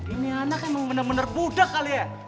ini anak emang bener bener budak kali ya